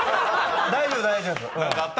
大丈夫、大丈夫。